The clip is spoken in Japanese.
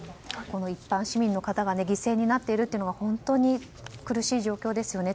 一般市民が犠牲になっているのは本当に苦しい状況ですよね。